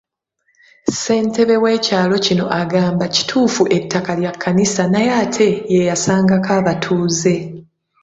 Ssentebe w'ekyalo kino agamba kituufu ettaka lya Kkanisa naye ate ye yasangako abatuuze.